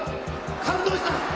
感動した！